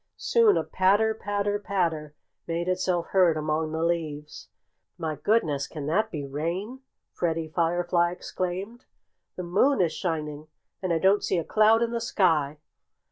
Soon a patter, patter, patter made itself heard among the leaves. "My goodness! Can that be rain?" Freddie Firefly exclaimed. "The moon is shining. And I don't see a cloud in the sky."